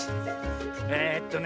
えっとね